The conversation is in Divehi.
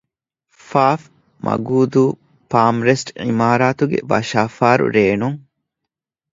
ފ. މަގޫދޫ ޕާމްރެސްޓް ޢިމާރާތުގެ ވަށާފާރު ރޭނުން